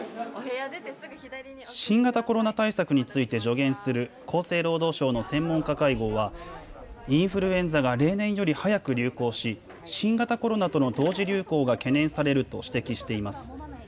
新型コロナ対策について助言する厚生労働省の専門家会合はインフルエンザが例年より早く流行し新型コロナとの同時流行が懸念されると指摘しています。